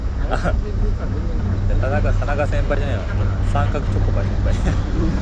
Currently his perfumes belongs to Puig company.